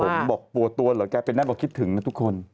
ผมบอกปวดตัวเหรอแกเป็นนั่นบอกคิดถึงนะทุกคน